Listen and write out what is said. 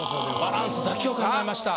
バランスだけを考えました。